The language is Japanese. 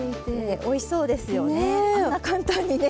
おいしそうですよねあんな簡単にね。